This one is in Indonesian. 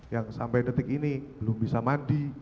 yang sampai detik ini belum bisa mandi